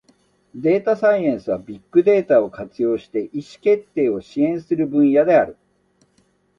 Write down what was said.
データサイエンスは、ビッグデータを活用して意思決定を支援する分野である。